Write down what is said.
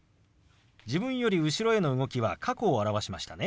自分より後ろへの動きは過去を表しましたね。